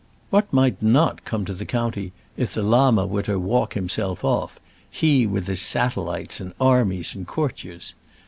What might not come to the county if the Llama were to walk himself off, he with his satellites and armies and courtiers?